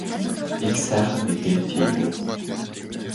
Их сайхан мэдээ тийм үү?